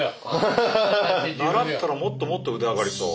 習ったらもっともっと腕上がりそう。